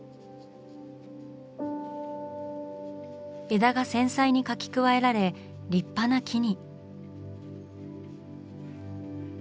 枝が繊細に描き加えられ立派な木に。